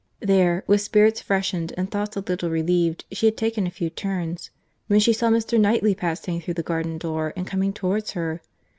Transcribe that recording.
—There, with spirits freshened, and thoughts a little relieved, she had taken a few turns, when she saw Mr. Knightley passing through the garden door, and coming towards her.